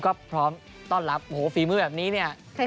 ก็พร้อมต้อนรับโอ้โหฝีมือแบบนี้เนี่ย